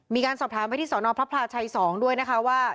มีการสอบถามไปที่สอนอพพชช๗ด้วยว่า